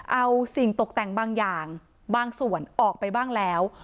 เอาสิ่งตกแต่งบางอย่างบางส่วนออกไปบ้างแล้ว